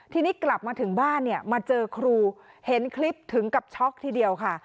ทีนี้กลับมาถึงบ้านเนี่ยมาเจอครูเห็นคลิปถึงกับช็อกทีเดียวค่ะ